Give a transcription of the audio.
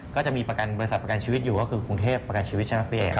ก็จะมีบริษัทประกันชีวิตอยู่ก็คือกรุงเทพประกันชีวิตชนักพิเศษ